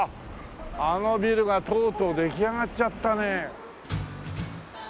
あのビルがとうとう出来上がっちゃったね。